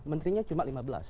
menterinya cuma lima belas